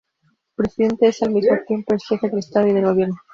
El presidente es al mismo tiempo el jefe del estado y del gobierno.